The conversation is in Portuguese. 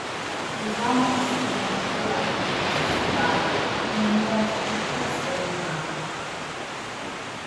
Os homens se amontoam por necessidade e mulheres, para serem amadas.